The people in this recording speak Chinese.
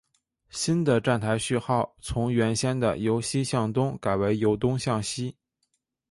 新的站台序号从原先的由西向东改为由东向西。